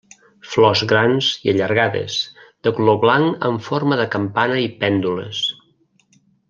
Flors grans i allargades, de color blanc amb forma de campana i pèndules.